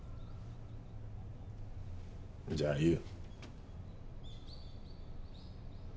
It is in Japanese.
じゃあいいよ。